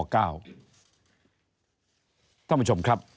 ท่านผู้ชมครับ